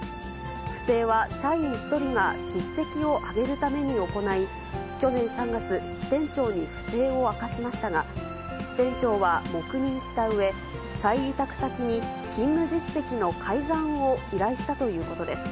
不正は社員１人が実績を上げるために行い、去年３月、支店長に不正を明かしましたが、支店長は黙認したうえ、再委託先に勤務実績の改ざんを依頼したということです。